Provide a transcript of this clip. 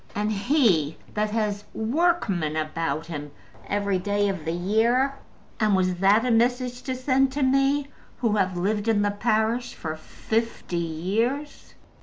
And he that has workmen about him every day of the year! And was that a message to send to me, who have lived in the parish for fifty years?